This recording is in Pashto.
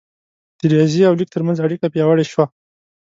د ریاضي او لیک ترمنځ اړیکه پیاوړې شوه.